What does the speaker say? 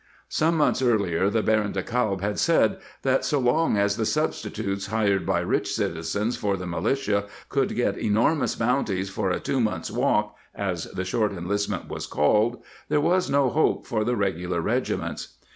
^ Some months earlier the Baron de Kalb had said that so long as the substitutes hired by rich citizens for the militia could get enormous bounties for a " two months' walk "— as the short enlistment was called — there was no hope for the regular regiments.